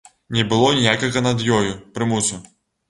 Не было ніякага над ёю прымусу.